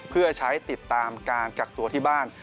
เพื่อใช้ติดตามการกักตัวที่บ้าน